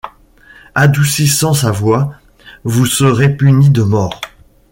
adoucissant sa voix, vous serez puni de mort.